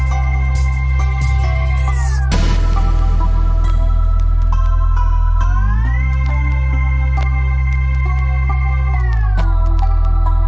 โปรดติดตามต่อไป